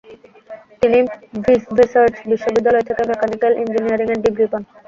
তিনি ভিসভেসার্য বিশ্ববিদ্যালয় থেকে মেকানিক্যাল ইঞ্জিনিয়ারিং এর ডিগ্রি পান।